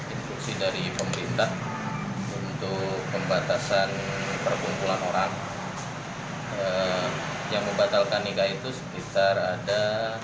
instruksi dari pemerintah untuk pembatasan perkumpulan orang yang membatalkan nikah itu sekitar ada